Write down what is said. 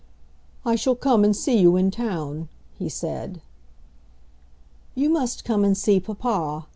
"I shall come and see you in town," he said. "You must come and see papa.